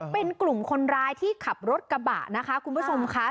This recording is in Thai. เป็นกลุ่มคนร้ายที่ขับรถกระบะนะคะคุณผู้ชมค่ะ